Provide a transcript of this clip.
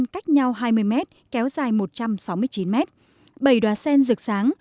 cách nhau hai mươi m kéo dài một trăm sáu mươi chín m bầy đoá sen rực sáng